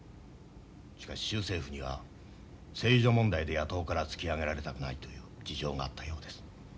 しかし州政府には製油所問題で野党から突き上げられたくないという事情があったようです。